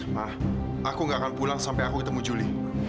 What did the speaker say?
ma aku nggak akan pulang sampai aku ketemu juli